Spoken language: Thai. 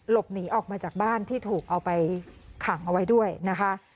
หลบหนีออกมาจากบ้านที่ถูกเอาไปขังเอาไว้ด้วยนะคะ